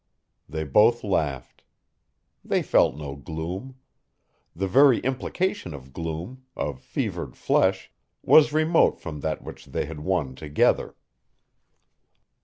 '" They both laughed. They felt no gloom. The very implication of gloom, of fevered flesh, was remote from that which they had won together.